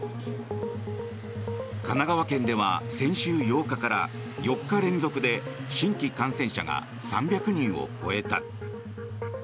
神奈川県では先週８日から４日連続で新規感染者が３００人を超えた。